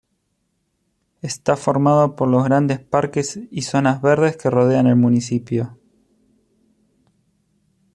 Está formado por los grandes parques y zonas verdes que rodean el municipio.